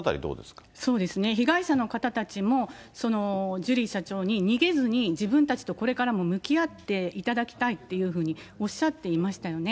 そうですね、被害者の方たちも、ジュリー社長に逃げずに自分たちとこれからも向き合っていただきたいっていうふうにおっしゃっていましたよね。